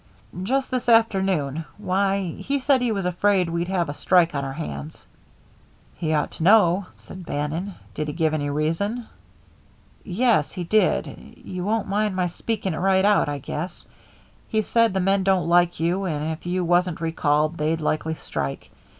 "Just this afternoon. Why, he said he was afraid we'd have a strike on our hands." "He ought to know," said Bannon. "Did he give any reason?" "Yes, he did. You won't mind my speaking it right out, I guess. He said the men didn't like you, and if you wasn't recalled they'd likely strike.